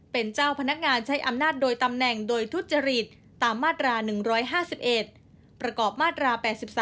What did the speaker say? เป็นเจ้าพนักงานใช้อำนาจโดยตำแหน่งโดยทุจริตตามมาตรา๑๕๑ประกอบมาตรา๘๓